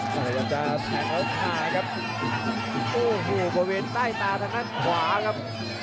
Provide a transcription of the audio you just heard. กระโดยสิ้งเล็กนี่ออกกันขาสันเหมือนกันครับ